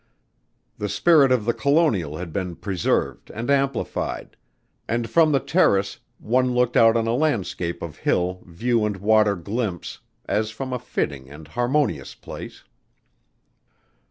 The spirit of the colonial had been preserved and amplified, and from the terrace one looked out on a landscape of hill view and water glimpse, as from a fitting and harmonious place.